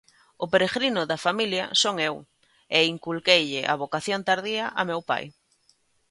O peregrino da familia son eu e inculqueille a vocación tardía a meu pai.